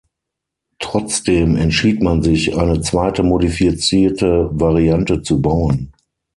Trotzdem entschied man sich eine zweite modifizierte Variante zu bauen.